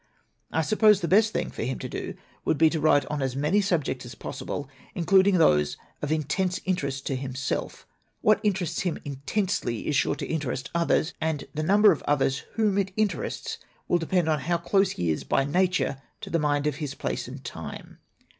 "I suppose the best thing for him to do would be to write on as many subjects as possible, in cluding those of intense interest to himself. What 150 SIXTEEN DON'TS FOR POETS interests him intensely is sure to interest others, and the number of others whom it interests will depend on how close he is by nature to the mind of his place and time.